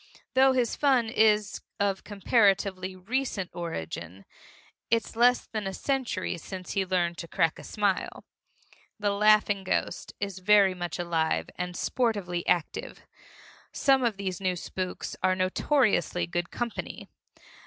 Though his fun is of comparatively recent origin it's less than a century since he learned to crack a smile the laughing ghost is very much alive and sportively active. Some of these new spooks are notoriously good company.